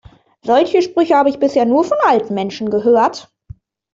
Solche Sprüche habe ich bisher nur von alten Menschen gehört.